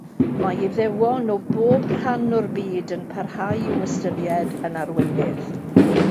Mae Iddewon o bob rhan o'r byd yn parhau i'w ystyried yn arweinydd.